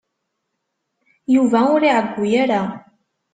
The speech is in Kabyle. Yuba ur iɛeyyu ara.